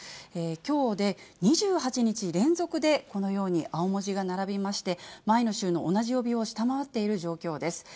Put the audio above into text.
きょうで２８日連続でこのように青文字が並びまして、前の週の同じ曜日を下回っている状況です。